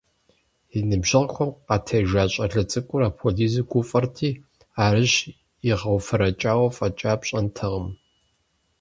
И ныбжьэгъухэм къатежа щӀалэ цӀыкӀур апхуэдизу гуфӀэрти, арыщ игъэуфэрэкӀауэ фӀэкӀа пщӀэнтэкъым.